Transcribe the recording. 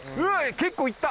結構いった！